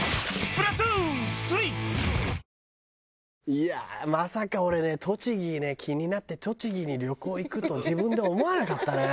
いやあまさか俺ね栃木気になって栃木に旅行行くと自分で思わなかったね。